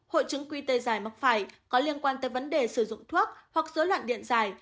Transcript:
hội chứng quy tê giải mắc phải có liên quan tới vấn đề sử dụng thuốc hoặc dối loạn điện giải